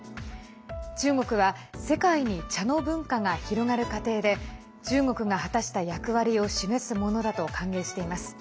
中国は世界に茶の文化が広がる過程で中国が果たした役割を示すものだと歓迎しています。